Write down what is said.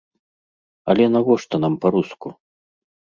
Але навошта нам па-руску?